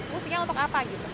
musingnya untuk apa